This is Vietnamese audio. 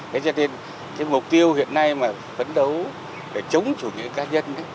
thế cho nên cái mục tiêu hiện nay mà phấn đấu để chống chủ nghĩa cá nhân